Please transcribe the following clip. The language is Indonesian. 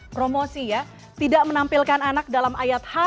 promosi ya tidak menampilkan anak dalam ayat h